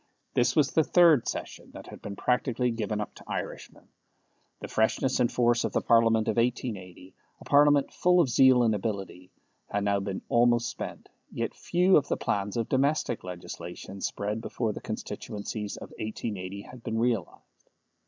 This was the third session that had been practically given up to Irishmen. The freshness and force of the Parliament of 1880 a Parliament full of zeal and ability had now been almost spent, yet few of the plans of domestic legislation spread before the constituencies of 1880 had been realized.